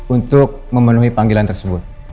untuk memenuhi panggilan tersebut